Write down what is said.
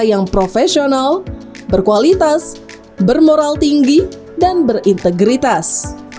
yang profesional berkualitas bermoral tinggi dan berintegritas